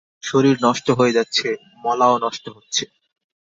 শরীর নষ্ট হয়ে যাচ্ছে-মলাও নষ্ট হচ্ছে।